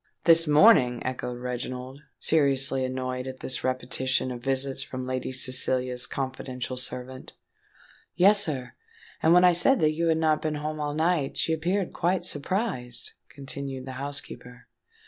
"This morning!" echoed Reginald, seriously annoyed at this repetition of visits from Lady Cecilia's confidential servant. "Yes, sir; and when I said that you had not been home all night, she appeared quite surprised," continued the housekeeper.